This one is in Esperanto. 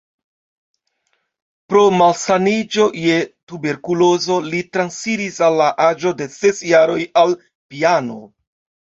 Pro malsaniĝo je tuberkulozo li transiris en la aĝo de ses jaroj al piano.